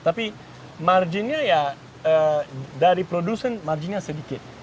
tapi marginnya ya dari produsen marginnya sedikit